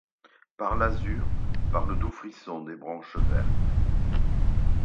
Par l'azur, par le doux frisson des branches vertes